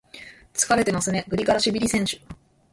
疲れてますね、グリガラシビリ選手。